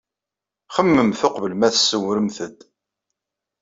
Xemmememt uqbel ma tsewremt-d.